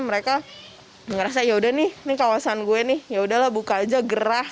mereka merasa yaudah nih ini kawasan gue nih yaudah lah buka aja gerah